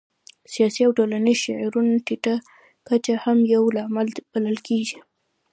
سیاسي او ټولنیز شعور ټیټه کچه هم یو لامل بلل کېږي.